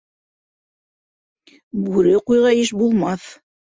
Бүре ҡуйға иш булмаҫ